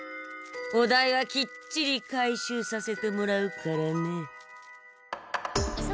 お代はきっちり回収させてもらうからね。